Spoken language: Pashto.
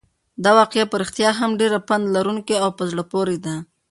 دا واقعه په رښتیا هم ډېره پنده لرونکې او په زړه پورې ده.